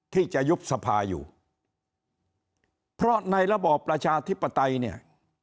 ที่จะยุบสภาอยู่เพราะในระบอบประชาธิปไตยเนี่ย